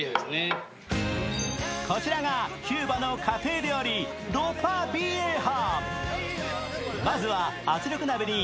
こちらがキューバの家庭料理ロパビエハ。